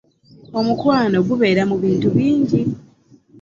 Omukwano gubeera mu bintu bingi.